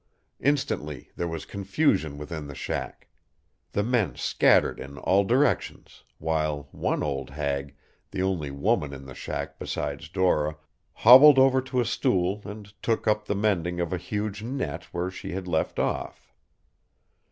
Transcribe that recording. Instantly there was confusion within the shack. The men scattered in all directions, while one old hag, the only woman in the shack besides Dora, hobbled over to a stool and took up the mending of a huge net where she had left off.